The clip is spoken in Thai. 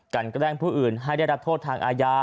แกล้งผู้อื่นให้ได้รับโทษทางอาญา